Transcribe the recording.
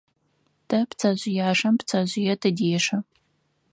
Тэ пцэжъыяшэм пцэжъые тыдешэ.